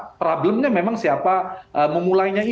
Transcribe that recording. jadi problemnya memang siapa